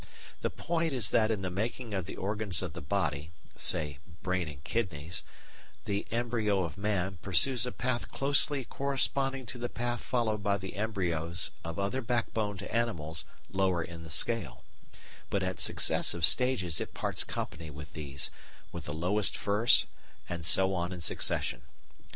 The point is that in the making of the organs of the body, say brain and kidneys, the embryo of man pursues a path closely corresponding to the path followed by the embryos of other backboned animals lower in the scale, but at successive stages it parts company with these, with the lowest first and so on in succession.